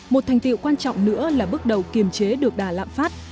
một thành tiệu quan trọng nữa là bước đầu kiềm chế được đà lạm phát